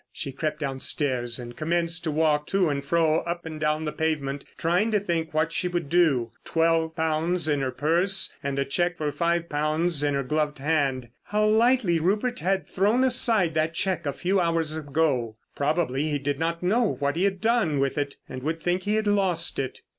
She crept downstairs and commenced to walk to and fro up and down the pavement trying to think what she would do. Twelve pounds in her purse and a cheque for five pounds in her gloved hand. How lightly Rupert had thrown aside that cheque a few hours ago. Probably he did not know what he had done with it; would think he had lost it.